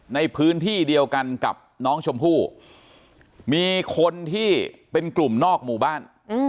ในพื้นที่เดียวกันกับน้องชมพู่มีคนที่เป็นกลุ่มนอกหมู่บ้าน